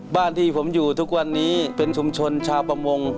บ้านที่ผมอยู่ทุกวันนี้เป็นชุมชนชาวประมง